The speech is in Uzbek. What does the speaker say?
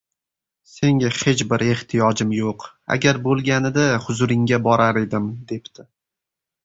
— Senga hech bir ehtiyojim yo‘q, agar bo‘lganida huzuringga borar edim, — debdi.